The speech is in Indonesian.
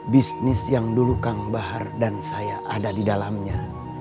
bisnis yang dulu kang bahar dan saya ada di dalamnya